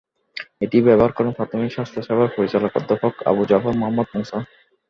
এটি ব্যবহার করেন প্রাথমিক স্বাস্থ্যসেবার পরিচালক অধ্যাপক আবু জাফর মোহাম্মদ মুসা।